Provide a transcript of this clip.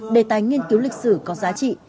đề tài nghiên cứu lịch sử có giá trị